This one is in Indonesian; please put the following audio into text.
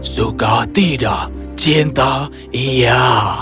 suka tidak cinta ya